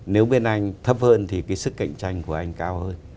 nếu bên anh thấp hơn thì cái sức cạnh tranh của anh cao hơn